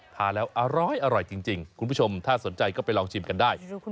ทานแล้วอร้อยจริงคุณผู้ชมถ้าสนใจก็ไปลองชิมกันได้